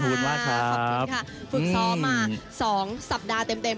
ฝึกซ้อมมา๒สัปดาห์เต็ม